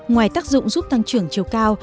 ngoài tác dụng giúp tăng trưởng chiều cao